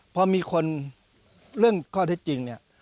พอมีคนเรื่องข้อเท็จจริงเนี่ย